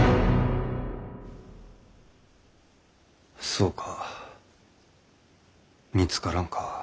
そうか見つからんか。